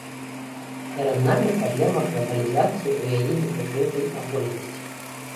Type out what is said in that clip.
Перад намі праблема глабалізацыі ў яе непрыкрытай аголенасці.